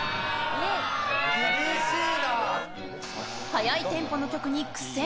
速いテンポの曲に苦戦。